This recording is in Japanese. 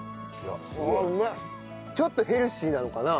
ちょっとヘルシーなのかな。